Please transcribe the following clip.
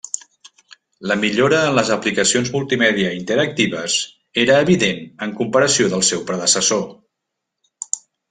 La millora en les aplicacions multimèdia interactives era evident en comparació del seu predecessor.